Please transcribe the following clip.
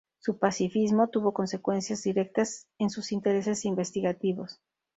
Su pacifismo tuvo consecuencias directas en sus intereses investigativos.